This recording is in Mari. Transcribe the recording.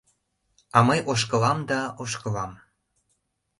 А мый ошкылам да ошкылам.